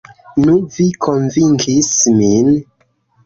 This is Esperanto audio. Nu, vi konvinkis min.